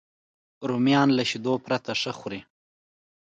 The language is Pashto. رومیان له شیدو پرته ښه خوري